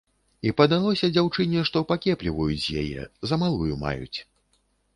І падалося дзяўчыне, што пакепліваюць з яе, за малую маюць.